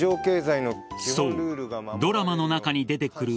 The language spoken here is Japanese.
そう、ドラマの中に出てくる